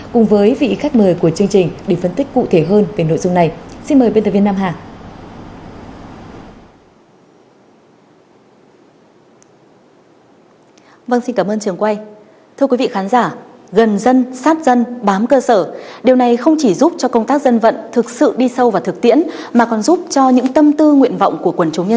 cùng với vị khách mời của chương trình xin mời biên tập viên nam hà